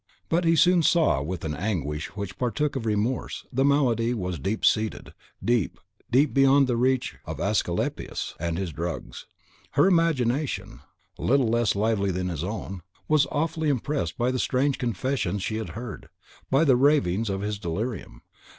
But he soon saw, with an anguish which partook of remorse, that the malady was deep seated, deep, deep, beyond the reach of Aesculapius and his drugs. Her imagination, little less lively than his own, was awfully impressed by the strange confessions she had heard, by the ravings of his delirium.